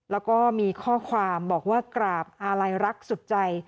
แล้วก็มีข้อความบอกว่ากราบอาลัยรักสุดใจ